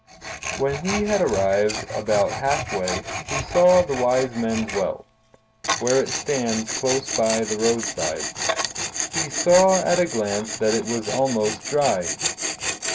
When he had arrived about half way, he saw the Wise Men's Well, where it stands close by the roadside. He saw at a glance that it was almost dry.